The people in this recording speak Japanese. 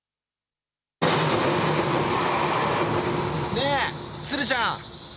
ねぇ鶴ちゃん！